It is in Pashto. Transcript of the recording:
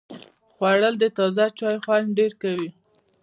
خوړل د تازه چای خوند ډېر کوي